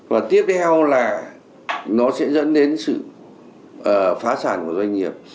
và tiếp theo là nó sẽ dẫn đến sự phá sản của doanh nghiệp